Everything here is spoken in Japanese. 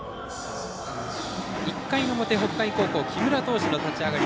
１回の表、北海高校木村投手の立ち上がり。